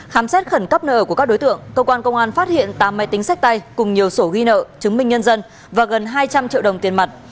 khám xét khẩn cấp nợ của các đối tượng cơ quan công an phát hiện tám máy tính sách tay cùng nhiều sổ ghi nợ chứng minh nhân dân và gần hai trăm linh triệu đồng tiền mặt